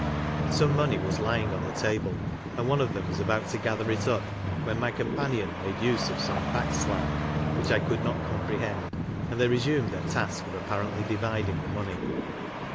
Some money was lying on the table, and one of them was about to gather it up when my companion made use of some "back slang," which I could not comprehend, and they resumed their task of apparently dividing the money.